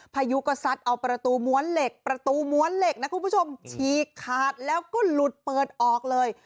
พายุก็ซัดเอาประตูม้วนเหล็กประตูม้วนเหล็กนะคุณผู้ชมฉีกขาดแล้วก็หลุดเปิดออกเลย